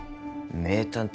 名探偵